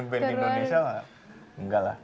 band indonesia mah enggak lah